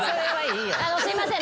あのすいません。